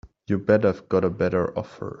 You bet I've got a better offer.